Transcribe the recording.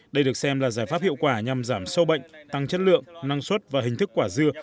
đây được xem là giải pháp hiệu quả nhằm giảm sâu bệnh tăng chất lượng năng suất và hình thức quả dưa